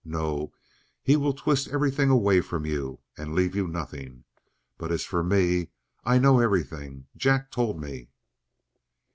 No, he will twist everything away from you and leave you nothing! But as for me I know everything; Jack told me."